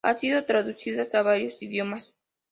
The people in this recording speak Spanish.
Han sido traducidas a varios idiomas.